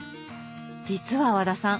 実は和田さん